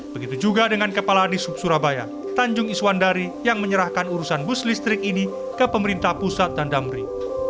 begitu juga dengan kepala disub surabaya tanjung iswandari yang menyerahkan urusan bus listrik ini ke pemerintah pusat dan damri